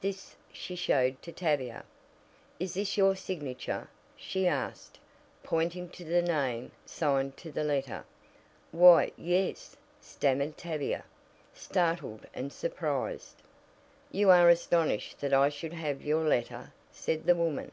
This she showed to Tavia. "Is that your signature?" she asked, pointing to the name signed to the letter. "Why, yes," stammered Tavia, startled and surprised. "You are astonished that I should have your letter," said the woman.